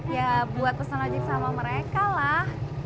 ya buat pesen aja sama mereka lah